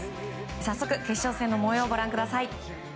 早速、決勝戦の模様ご覧ください。